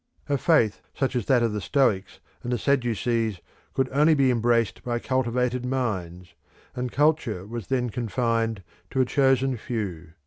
A faith such as that of the Stoics and the Sadducees could only be embraced by cultivated minds, and culture was then confined to a chosen few.